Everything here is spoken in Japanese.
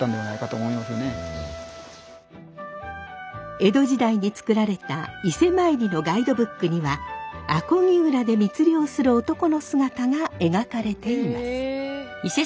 江戸時代に作られた伊勢参りのガイドブックには阿漕浦で密漁する男の姿が描かれています。